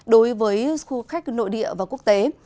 đối với khu khách nội địa và quốc tế